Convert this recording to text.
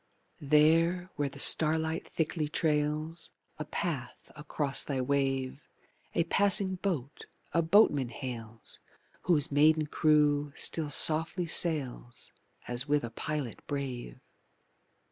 There, where the starlight thickly trails A path across thy wave, A passing boat a boatman hails Whose maiden crew still softly sails As with a pilot brave.